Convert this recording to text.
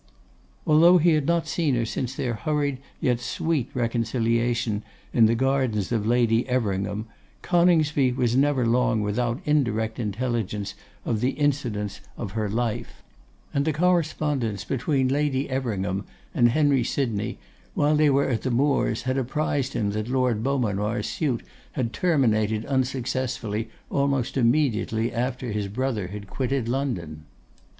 Although he had not seen her since their hurried yet sweet reconciliation in the gardens of Lady Everingham, Coningsby was never long without indirect intelligence of the incidents of her life; and the correspondence between Lady Everingham and Henry Sydney, while they were at the moors, had apprised him that Lord Beaumanoir's suit had terminated unsuccessfully almost immediately after his brother had quitted London.